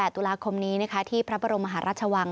๒๘ตุลาคมนี้นะคะที่พระบรมหาราชวัง